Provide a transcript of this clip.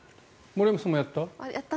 森山さんもやった？